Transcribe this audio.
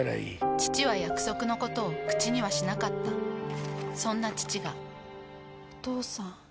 父は約束のことを口にはしなかったそんな父がお父さん。